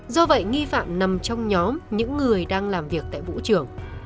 do vậy nghi phạm nằm trong nhóm những người đang làm việc tại vũ trường